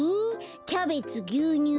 キャベツぎゅうにゅう